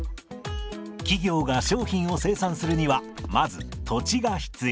企業が商品を生産するにはまず土地が必要です。